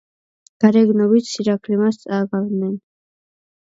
გარეგნობით სირაქლემას წააგავდნენ.